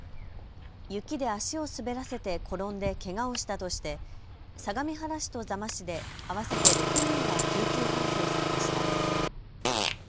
雪で足を滑らせて転んでけがをしたとして相模原市と座間市で合わせて６人が救急搬送されました。